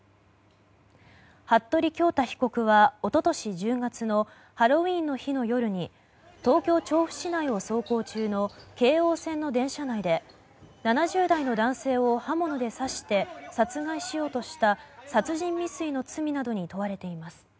服部恭太被告は一昨年１０月のハロウィーンの日の夜に東京・調布市内を走行中の京王線の電車内で７０代の男性を刃物で刺して殺害しようとした殺人未遂の罪などに問われています。